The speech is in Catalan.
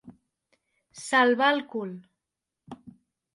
Salvar el cul.